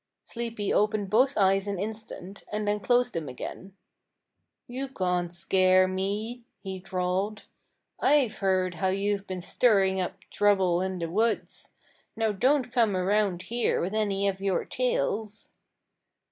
Sleepy opened both eyes an instant, and then closed them again. "You can't scare me," he drawled. "I've heard how you've been stirring up trouble in the woods. Now don't come around here with any of your tales."